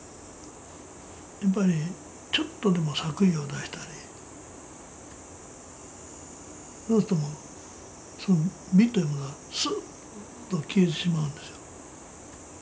やっぱりちょっとでも作為を出したりそうするとその美というものはすっと消えてしまうんですよ。